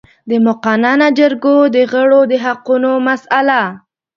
د مقننه جرګو د غړو د حقونو مسئله